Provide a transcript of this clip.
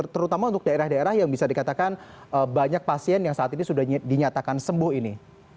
terutama untuk daerah daerah yang bisa dikatakan banyak pasien yang saat ini sudah dinyatakan sembuh ini